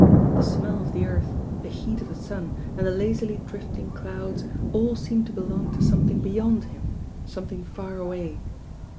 The smell of the earth, the heat of the sun and the lazily drifting clouds, all seemed to belong to some thing beyond him, something far away.